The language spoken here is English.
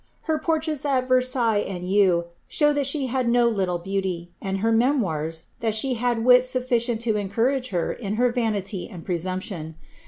Her portraits at Versailles and Eu show that she had no little beauty and her memoirs, that she had wit sufficient to encourage her in hei vanity and presumption.